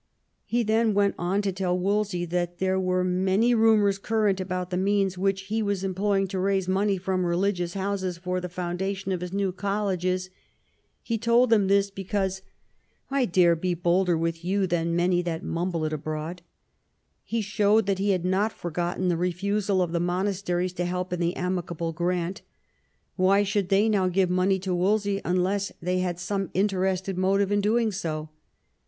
He then went on to tell Wolsey that there were many rumours current about the means which he was employ ing to raise money from religious houses for the founda tion of his new colleges ; he told him this because " I 168 THOMAS WOLSEY chap. dare be bolder with you than many that mumble it abroad/' He showed that he had not forgotten the refusal of the monasteries to help in the Amicable Grant : why should they now give money to Wolsey un less they had some interested motive in doing so